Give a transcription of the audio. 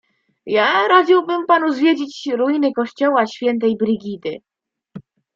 "Ja radziłbym panu zwiedzić ruiny kościoła świętej Brigidy."